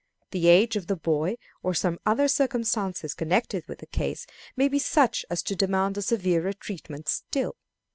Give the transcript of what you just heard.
The age of the boy, or some other circumstances connected with the case, may be such as to demand a severer treatment still.